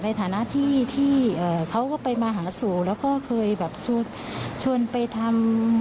แล้วคนรับเป็นใคร